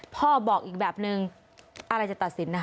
พ่อบอกอีกแบบนึงอะไรจะตัดสินนะคะ